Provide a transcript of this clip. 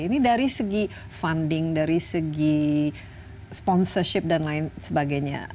ini dari segi funding dari segi sponsorship dan lain sebagainya